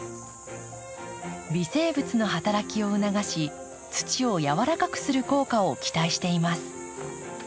微生物の働きを促し土をやわらかくする効果を期待しています。